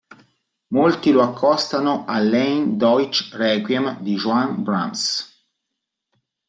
Molti lo accostano all'Ein deutsches Requiem di Johannes Brahms.